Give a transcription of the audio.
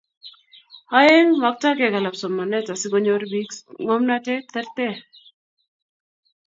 Aeng', maktoi kekalab somanet asikonyor bik ngomnatet terter